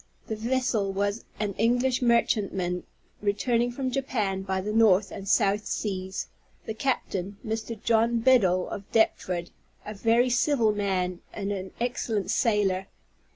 The vessel was an English merchantman, returning from Japan by the north and south seas; the captain, Mr. John Biddel of Deptford, a very civil man, and an excellent sailor.